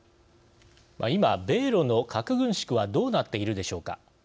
今米ロの核軍縮はどうなっているでしょうか。